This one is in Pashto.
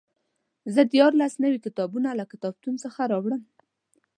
زه دیارلس نوي کتابونه له کتابتون څخه راوړم.